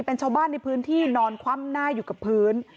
เป็นชาวบ้านในพื้นที่นอนคว่ำหน้าอยู่กับพื้น